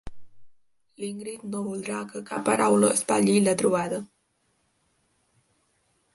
L'Ingrid no voldrà que cap paraula espatlli la trobada.